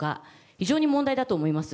非常に問題だと思います。